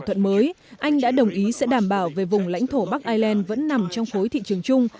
thỏa thuận mới anh đã đồng ý sẽ đảm bảo về vùng lãnh thổ bắc ireland vẫn nằm trong khối thị trường chung